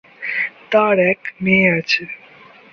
তার এক মেয়ে আছে।